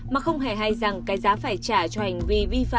mà không hề hay rằng cái giá phải trả cho hành vi vi phạm